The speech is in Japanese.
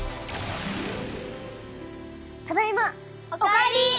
ただいま！お帰り！